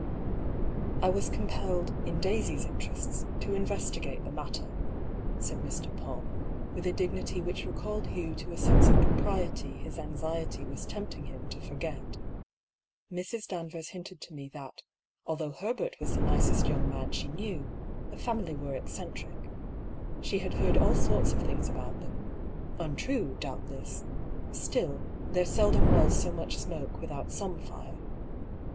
" I was compelled, in Daisy's interests, to investi gate the matter," said Mr. PauU, with a dignity which recalled Hugh to a sense of propriety his anxiety was tempting him to forget. " Mrs. Danvers hinted to me that, although Herbert was the nicest young man she knew, the family were eccentric. She had heard all sorts of things about them — ^untrue, doubtless ; still, there seldom was so much smoke without some fire.